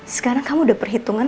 sekarang kamu udah perhitungan